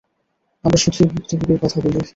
আমরা শুধুই ভুক্তভোগীর কথা বলি।